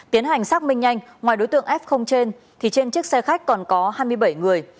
tiến hành xác minh nhanh ngoài đối tượng f trên thì trên chiếc xe khách còn có hai mươi bảy người